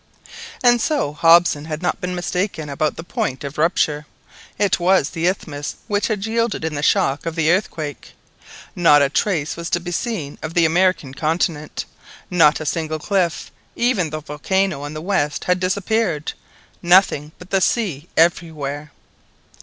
And so Hobson had not been mistaken about the point of rupture. It was the isthmus which had yielded in the shock of the earthquake. Not a trace was to be seen of the American continent, not a single cliff, even the volcano on the west had disappeared. Nothing but the sea everywhere.